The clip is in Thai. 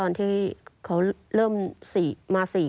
แล้วแกก็ไม่สบายด้วย